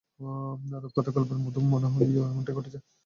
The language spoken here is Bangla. রূপকথার গল্পের মতো মনে হলেও এমনটাই ঘটেছে শ্রীলঙ্কার চিলাও জেলার একটি গ্রামে।